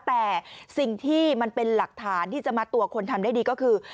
แต่สิ่งที่มันเป็นหลักฐานที่จะมัดตัวคนทำได้ดีก็คือ